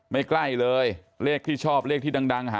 ใกล้เลยเลขที่ชอบเลขที่ดัง